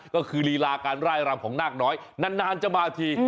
ก็คือลีลาการไล่รำของนาคน้อยนานจะมาที